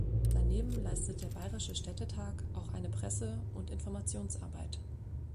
Daneben leistet der Bayerische Städtetag auch eine Presse- und Informationsarbeit.